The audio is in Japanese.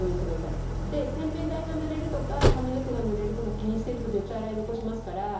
洗面台がぬれるとか髪の毛がぬれるとか気にしてると絶対洗い残しますから。